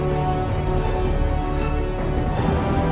aku akan menang